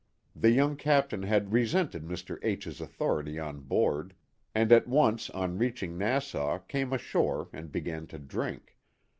The young captain had re sented Mr. H 's authority on board, and at once on reaching Nassau came ashore and be gan to drink.